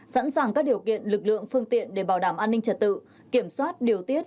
sẵn sàng các điều kiện lực lượng phương tiện để bảo đảm an ninh trật tự kiểm soát điều tiết